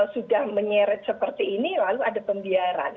sudah menyeret seperti ini lalu ada pembiaran